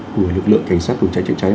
của lực lượng cảnh sát phòng cháy chạy cháy